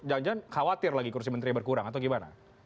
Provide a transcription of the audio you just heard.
jangan jangan khawatir lagi kursi menteri berkurang atau gimana